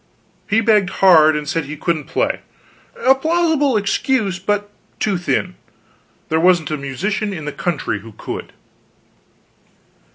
He begged hard, and said he couldn't play a plausible excuse, but too thin; there wasn't a musician in the country that could.